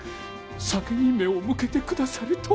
酒に目を向けてくださるとは！